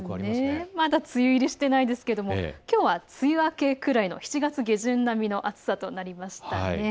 まだ梅雨入りしていないんですがきょうは梅雨明けぐらいの７月下旬並みの暑さとなりました。